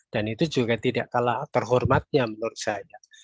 dan itu juga tidak kalah terhormatnya menurut saya